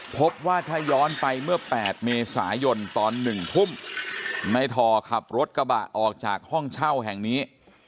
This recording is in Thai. พบว่าถ้าย้อนไปเมื่อ๘เมษายนตอน๑ทุ่มในทอขับรถกระบะออกจากห้องเช่าแห่งนี้